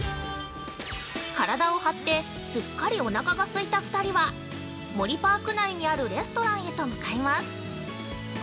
◆体を張ってすっかりおなかが空いた２人はモリパーク内にあるレストランへと向かいます。